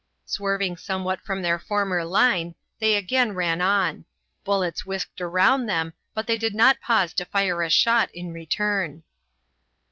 Swerving somewhat from their former line, they again ran on; bullets whisked round them, but they did not pause to fire a shot in return.